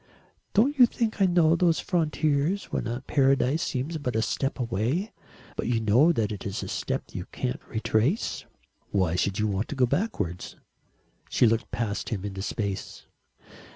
"Don't you think I know those frontiers, when paradise seems but a step away, but you know that it is a step you can't retrace?" "Why should you want to go backwards?" She looked past him into space.